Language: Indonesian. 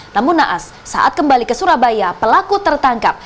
namun naas saat kembali ke surabaya pelaku tertangkap